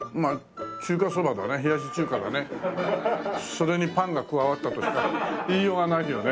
それにパンが加わったとしか言いようがないよね。